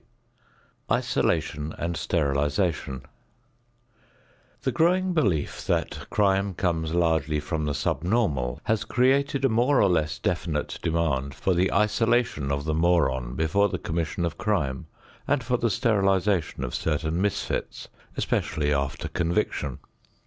XXXII ISOLATION AND STERILIZATION The growing belief that crime comes largely from the subnormal has created a more or less definite demand for the isolation of the moron before the commission of crime and for the sterilization of certain misfits, especially after conviction.